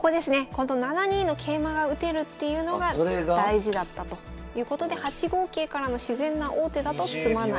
この７二の桂馬が打てるっていうのが大事だったということで８五桂からの自然な王手だと詰まない。